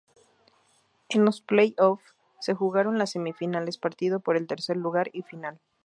En los play-off se jugaron las semifinales, partido por el tercer lugar y final.